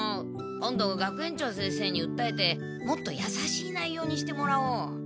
今度学園長先生にうったえてもっとやさしい内容にしてもらおう。